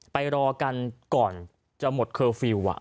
ไปรอกันก่อนจะหมดเคอร์ฟิลล์